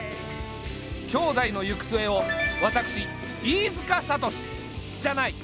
兄妹の行く末を私飯塚悟志じゃない。